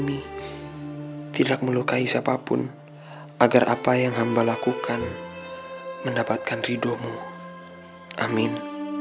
kami tidak melukai siapapun agar apa yang hamba lakukan mendapatkan ridhomu amin